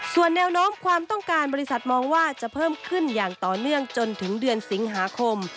ส่วนแนวโน้มความต้องการบริษัทมองว่าจะเพิ่มขึ้นอย่างต่อเนื่องจนถึงเดือนสิงหาคม